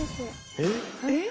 「えっ？」